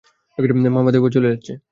মামা, দেবা চলে যাচ্ছে।